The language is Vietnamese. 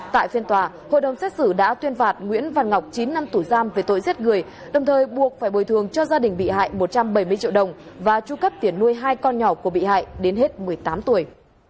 tại phiên tòa hội đồng xét xử đã tuyên phạt nguyễn văn ngọc chín năm tù giam về tội giết người đồng thời buộc phải bồi thường cho gia đình bị hại một trăm bảy mươi triệu đồng và tru cấp tiền nuôi hai con nhỏ của bị hại đến hết một mươi tám tuổi